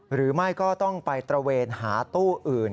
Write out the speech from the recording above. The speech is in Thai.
หรือไม่ก็ต้องไปตระเวนหาตู้อื่น